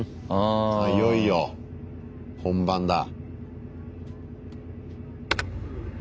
いよいよ本番だ。